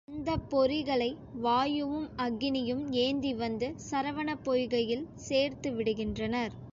அந்தப் பொறிகளை வாயுவும் அக்கினியும் ஏந்திவந்து சரவணப் பொய்கையில் சேர்த்து விடுகின்றனர்.